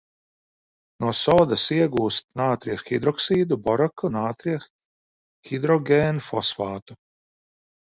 No sodas iegūst nātrija hidroksīdu, boraku, nātrija hidrogēnfosfātu.